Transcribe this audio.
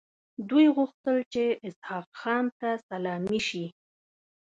دوی غوښتل چې اسحق خان ته سلامي شي.